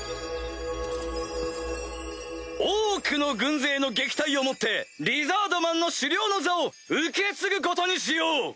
オークの軍勢の撃退をもってリザードマンの首領の座を受け継ぐことにしよう！